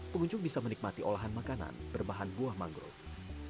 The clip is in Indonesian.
pengunjung bisa menikmati olahan makanan berbahan buah mangrove